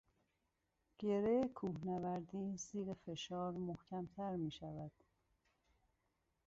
گره کوهنوردی زیر فشار، محکمتر میشود